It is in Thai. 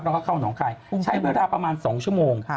แล้วก็เข้าหนองคายใช้เวลาประมาณ๒ชั่วโมง